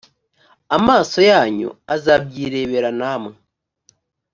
amaso yanyu azabyirebera namwe